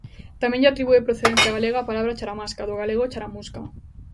Tamén lle atribúe procedencia galega á palabra "charamasca", do galego "charamusca".